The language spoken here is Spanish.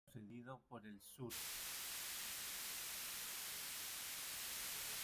Sería sucedido por "El Sur".